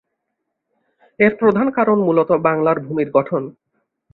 এর প্রধান কারণ মূলত বাংলার ভূমির গঠন।